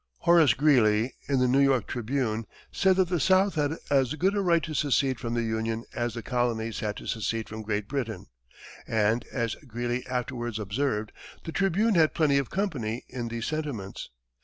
Horace Greeley, in the New York Tribune, said that the South had as good a right to secede from the Union as the colonies had to secede from Great Britain, and, as Greeley afterwards observed, the Tribune had plenty of company in these sentiments.